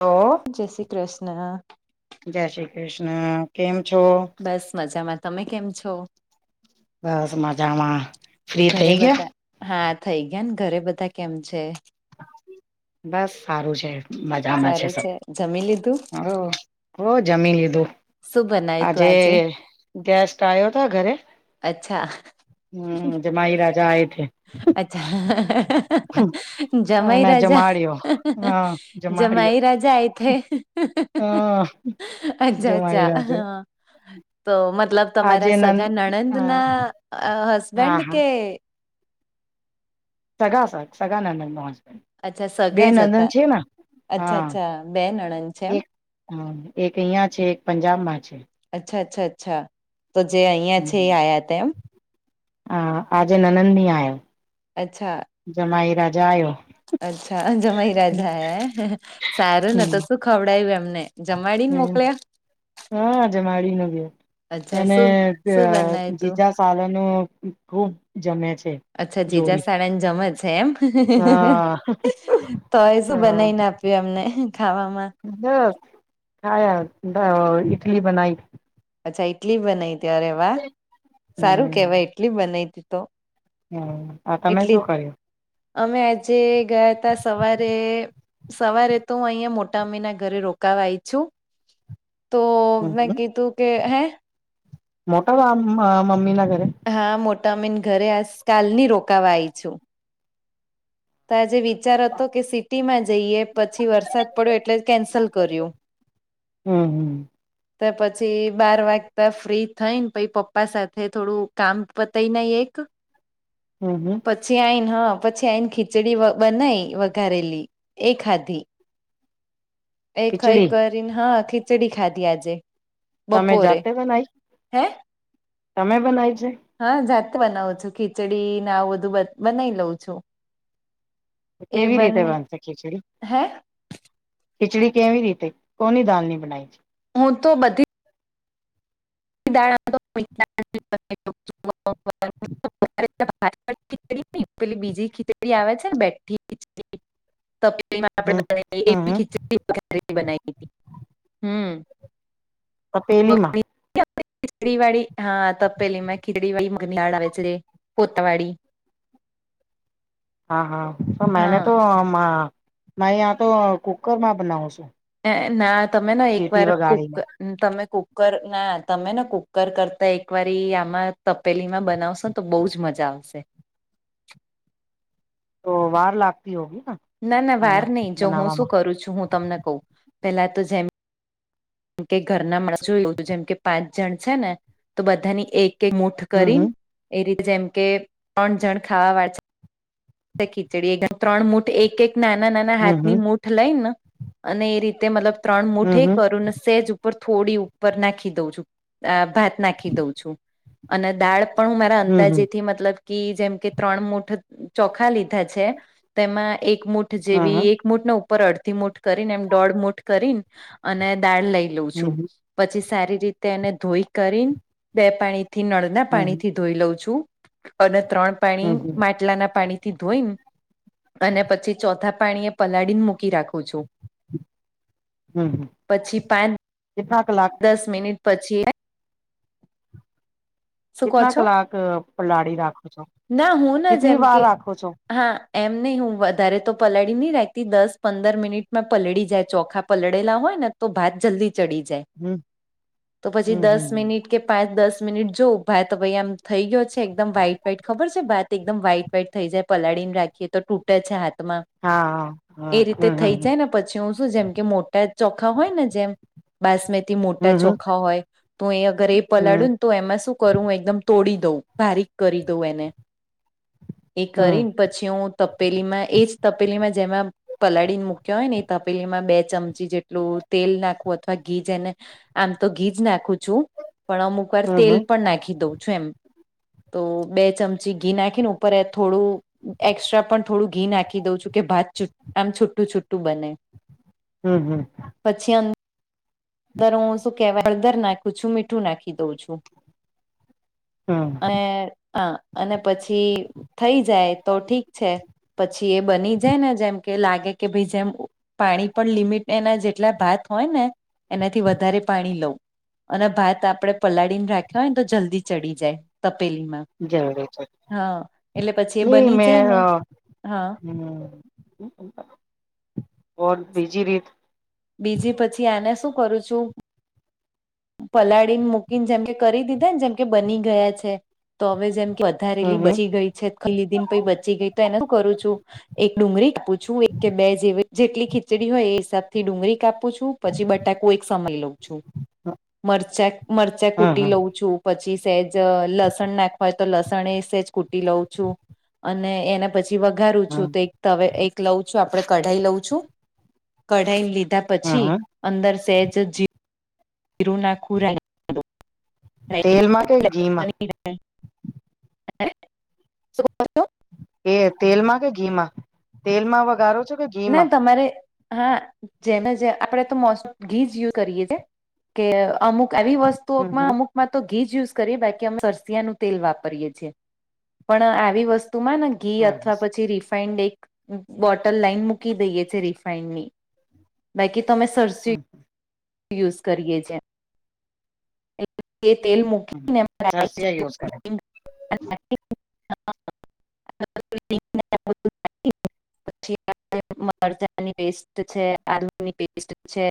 ઓહહ. જય શ્રી કૃષ્ણ. જય શ્રી કૃષ્ણ, કેમ છો? બસ મજામાં, તમે કેમ છો? અ સમાચારમાં ઘરે બધા, હા થઇ ગયાન, ઘરે બધા કેમ છે? બસ સારું છે, મજામાં છે સારું સબ. જમી લીધું? આયો, હોવ જમી લીધું. શું બનાયું તું આજે ગેસ્ટ આયોતા ઘરે. અચ્છા. હમ્મ, જમાઈ રાજા આયે થે. અચ્છા. જમાઈ અને રાજા, જમાડ્યો હા જમાડ્યો જમાઈ રાજા આયે થે. હ જમાઈ અચ્છા-અચ્છા રાજા હા. [inaudible] તો મતલબ આજે તમારા નન સગા હા નણંદના અહ હા હસબેન્ડ હા કે સગા સ સગા નણંદ નો હસબેન્ડ. અચ્છા બે સગા જ નંદન હતા, છે ને હા અચ્છા-અચ્છા બે નણંદ છે એમ. એક હા, એક અહિયાં છે, એક પંજાબમાં છે. અચ્છા-અચ્છા-અચ્છા. તો જે અહીંયા છે હમ એ આયા તા એમ? હા. આજે નણંદ ની આયા. અચ્છા. જમાઈ રાજા આયો. અચ્છા. જમાઈરાજા આયા. સારું ને તો શું ખવડાયું એમને? જમાડીન મોકલ્યા? હા, જમાડી ને ગયા. અચ્છા એને શું ક શું બનાય તું જીજા સાલે નું ખુબ જમે છે. અચ્છા, જીજા જોડી સાળા ને જમે છે એમ. હા તો હવે શું બનાઈ ને આપ પ્યું એમને ખાવામાં? [unintelligible] ઇટલી બનાઈ. અચ્છા ઇટલી બનાઈ તી, અરે વાહ! સારું કહેવાય ઈટલી બનાઈ તી તો. હમ્મ. એટલી જ. અમે આજે ગયા તા સવારે સવારે તો હું અહિયાં મોટા અમ્મીના ઘરે રોકાવા આઈ છું. તો મેં હમ કીધું કે, હે? મોટા મામ અહ મમ્મી ના ઘરે? હા મોટા અમ્મીન ઘરે આસ કાલ ની રોકાવા આઈ છું. તો આજે વિચાર હતો કે સિટીમાં જઈએ, પછી વરસાદ પડ્યો એટલે કેન્સલ કર્યું. હમ્મ-હમ્મ. તોય પછી બાર વાગતા ફ્રી થઈ ન પછી પપ્પા સાથે થોડું કામ પતાઈ ને આઈ એક. હમ્મ-હમ્મ. પછી આઈન, હા પછી આઈન ખી ખીચડી બનાઈ વઘારેલી, એ ખાધી. એ ખઈ ખીચડી કરીન, હા ખીચડી ખાધી આજે, તમે બપોરે. જાતે બનાવી હેં? તમે બનાય છે? હા જાતે બનાવું છું. ખીચડી ને આવું બધું બ બનાઈ લઉં છું. તો એ કેવી રીતે બને બનશે ખીચડી? હે? ખિચડી કેવી રીતે, કોની દાલની બનાઈ છે? હું તો બધી દાળ [inaudible] [unintelligible] પેલી બીજી ખીચડી આવે છે ને હમ હમ [unintelligible] [unintelligible] [inaudible] બનાઈ તી. હમ્મ. તપેલીમાં? [inaudible] ખિચડી વાળી, હા તપેલી માં, [unintelligible] હા, હા, સર, હા મેને તો મા મારે આ તો કુકરમાં બનાવું છું. ના, તમે ના, એક સીટી વાર બુક. વગાડીને તમે કુકર, ના, તમે ને કુકર કરતા એક વાર આમાં. પેલીમાં બનાવશો ને, તો બહુ જ મજા આવશે. તો વાર લાગતી હોય ના? ના ના, વાર નહીં. જો હું શું કરું છું, હું તમને કહું, પેલા તો જેમ મ કે ઘરના માણસો, જોયું જેમ કે પાંચ જણ છે ને, તો બધાની એક એક મુઠ હમ કરીને. હમ એ ર જેમ કે, ત્રણ જણ ખાવાવાળા છે. ખીચડી એકમાં ત્રણ મૂઠ, એક-એક નાના નાના હાથની હમ મૂઠ. લઈને, અને એ રીતે મતલબ ત્રણ હમ મુઠે હમ કરું ને, સેજ. થોડી ઉપર નાખી દઉં છું, ભાત નાખી દઉં છું અને દાળ. પણ હું મારા હમ અંદાજેથી, મતલબ કે જેમ કે ત્રણ મૂઠ. ચોખા લીધા છે, તેમાં એક મુઠ જેવી હમ એક. મૂઠ ને ઉપર અડધી મૂઠ કરીને એમ દોઢ મુૂઠ કરી અને દાળ લઈ હમ લઉં છું. હા હા પછી સારી રીતે એને ધોઈ કરી, બે પાણીથી, હમ હમ નળના પાણી થી. ધોઈ લઉં છું અને ત્રણ હમ હમ પાણી હમ માટલાના. પાણીથી ધોઈને અને પછી ચોથા પાણી એ પલાળીને મૂકી રાખું છું. હમ, પછી હમ, પાંચ કેના કલાક? દસ મિનિટ પછી. શું કહો કટના છો કલાક પલાળી રાખો છો, ના હું ના કતની જેમ વાર કે રાખો છો? હા, એમ નહીં, હું વધારે તો પલાળી નહીં રાખતી. દસ-પંદર મિનિટ માં પલળી જાય ચોખા. પલળેલા હોય ને, તો ભાત જલ્દી ચડી જાય. હમ તો પછી હમ હમ દસ હમ મિનિટ. કે પાંચ, દસ મિનિટ જો. ભાત ભાઈ, આમ થઈ ગયો છે, એકદમ વાઈટ-વાઈટ ખબર છે? ભાત વાઈટ-વાઈટ થઈ જા, ય પલાળી ને રાખીએ તો. તે છે, હાથમાં. હા, હા, એ રીતે હમ, થઈ હમ. જાય ને પછી હું શું, જેમ કે મોટા ચોખા હોય ને, જેમ બાસમતી. મોટા હમ હમ ચોખા હોય તો એ, અગર એ હમ પલાડું ને, તો એમાં શું? કરું, એકદમ તોડી દઉં, બારીક કરી દઉં એને, એ હમ કરીને. પછી હું તપેલીમાં, એ જ તપેલીમાં, જેમાં પલાળીને મૂક્યા હોય ને, એ તપેલીમાં બે ચમચી જેટલું તેલ નાખવું અથવા ઘી જ એને. આમ તો ઘી જ નાખું છું, પણ અમુક વાર હમ હમ તેલ પણ નાખી દઉં છું એમ. તો બે ચમચી ઘી નાખીને, ઉપર થોડું એસ્ટ્રા પણ થોડું ઘી નાખી દઉં છું કે, ભાત આમ છૂટું-છુટું બને. હમ, હમ. પછી અંદર હું શું કેવાય, હળદર નાખું છું, મીઠું નાખી દઉં છું. હા. હા, અને પછી થઈ જાય તો ઠીક છે. પછી એ બની જાય ને, જેમ કે લાગે કે ભાઈ, જેમ પાણી પણ લિમિટ, એના જેટલા ભાત હોય ને, એનાથી વધારે પાણી લઉં. અને ભાત આપણે પલાળીને રાખ્યા હોય ને, તો જલ્દી ચડી જાય તપેલીમાં. જરૂરી છે હા એટલે પછી એ ને, બની મે જાય ને હા હ. બીજી રીત. બીજી પછી આને શું કરું છું? પલાળીને મૂકીને, જેમ કે કરી દીધા ને, જેમ કે બની ગયા છે, તો હવે જેમ વધારેલી હમ બચી હમ ગઈ છે, ખલ્લી દિન પ બચી ગઈ, તો એને શું કરું છું? એક ડુંગળી કાપું છું, એક કે બે, જેવી જેટલી ખીચડી હોય એ હિસાબથી ડુંગળી કાપું છું. પછી બટાકુ એક સમય લઉં છું, મરચાં મરચાં કૂટી હમ લઉં છું. પછી સેજ લસણ નાખવાય તો, લસણ એ સેજ કૂટી લઉં છું અને એને પછી વઘારું છું, હમ તો એક લઉં છું, આપણે કઢાઈ લઉં છું, કઢાઈને લીધા. હમ પછી હમ અંદર સેજ જીરું નાખું રાહી તેલમાં કે ઘીમાં- [inaudible] એ તેલમાં કે ઘીમાં તેલમાં વઘારો છો કે ના ઘીમાં તમારે હા જેમ જે આપણે તો મોસમ ઘી જ યુઝ કરીએ છે કે અમુક આવી વસ્તુ હમ તો હમ અમુકમાં તો ઘીજ યુઝ કરીએ બાકી અમે સરરસિયાનું તેલ વાપરીએ છીએ પણ આવી વસ્તુમાં ને ઘી અથવા હમ પછી રિફાઈન્ડ એક બોટલ લઈને મુૂક [inaudible] હ યુઝ કરીએ છે. એ તેલ હમ મૂકી સરસિયા યુઝ કરે આ એ.. આ આ પછી મરચાંની પેસ્ટ છે આલુ ની પેસ્ટ છે.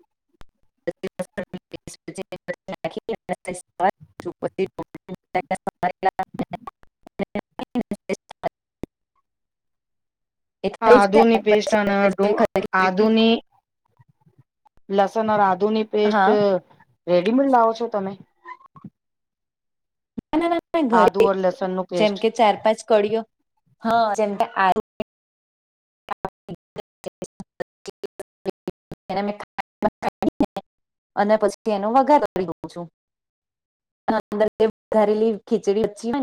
પેસ્ટ છે ત હા [unintelligible] હ આદુની પેસ્ટ અન ડુ આદુની લસણ ઓર આદુની પેસ્ટ હા રેડીમેડ લાવો છો તમે ના ના ના ના આદુ ઘરે ઓર લસણ નું જેમ પેસ્ટ કે ચાર પાંચ કડીઓ હા જેમકે આદુ એમાં તો અને પછી એનો વગાર કરી દઉં છું. અંદર જે વધારેલી ખીચડી વઘી હોય